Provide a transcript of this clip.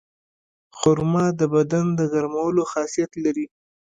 خرما د بدن د ګرمولو خاصیت لري.